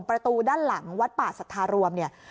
ประตูด้านหลังวัดป่าสัทธารวมเนี่ย